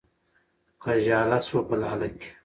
که ژاله شوه په لاله کې